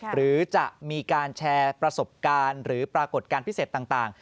หรือจะมีการแชร์ประสบการณ์หรือปรากฏการณ์พิเศษต่าง